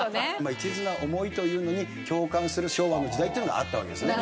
一途な思いというのに共感する昭和の時代っていうのがあったわけですね。